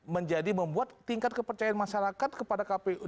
menjadi membuat tingkat kepercayaan masyarakat kepada kpu